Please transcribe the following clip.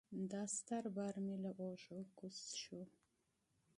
دا ستر بار مې له اوږو کوز شو.